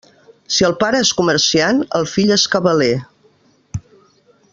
Si el pare és comerciant, el fill és cabaler.